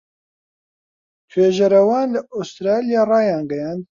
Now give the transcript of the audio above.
توێژەرەوان لە ئوسترالیا ڕایانگەیاند